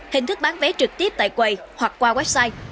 hình thức bán vé trực tiếp tại quầy hoặc qua website